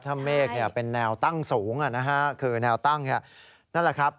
ถ้าเมฆเป็นแนวตั้งสูงคือแนวตั้งนั่นแหละครับ